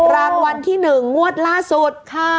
รางวัลที่หนึ่งงวดล่าสุด